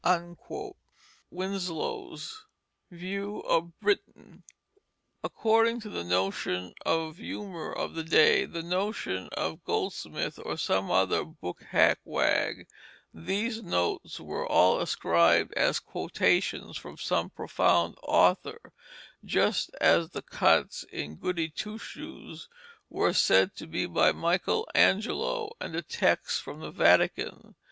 WINSLOW'S View of Britain. According to the notion of humor of the day, the notion of Goldsmith, or some other book hack wag, these notes were all ascribed as quotations from some profound author, just as the cuts in Goody Two Shoes were said to be by Michael Angelo, and the text from the Vatican.